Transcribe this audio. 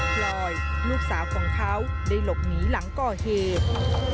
พลอยลูกสาวของเขาได้หลบหนีหลังก่อเหตุ